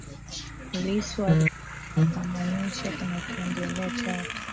Lissu alikuwa anafananisha kinachoendelea Chato